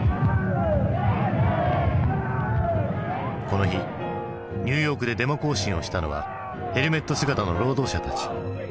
この日ニューヨークでデモ行進をしたのはヘルメット姿の労働者たち。